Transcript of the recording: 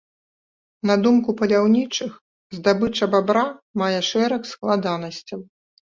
На думку паляўнічых, здабыча бабра мае шэраг складанасцяў.